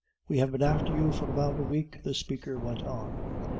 "We have been after you for about a week," the speaker went on.